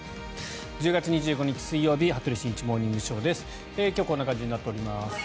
１０月２５日、水曜日「羽鳥慎一モーニングショー」。今日はこんな感じになっております。